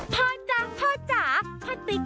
โปรดติดตามตอนต่อไป